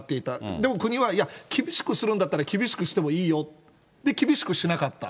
でも国は、いや、厳しくするんだったら、厳しくしてもいいよって、じゃあ、厳しくしなかった。